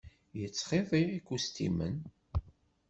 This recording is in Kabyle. Yettxiḍi ikustimen.